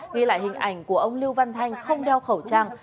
ghi lại hình ảnh của ông lưu văn thanh không đeo khẩu trang